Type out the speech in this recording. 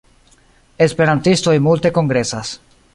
Esperantistoj multe kongresas.